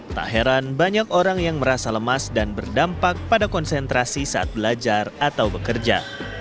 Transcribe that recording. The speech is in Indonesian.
tak heran banyak orang yang merasa lemas dan berdampak pada konsentrasi saat belajar atau bekerja